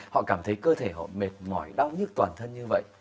họ cảm thấy cơ thể họ mệt mỏi đau nhức toàn thân như vậy